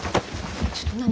ちょっと何！？